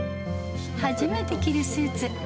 初めて着るスーツ。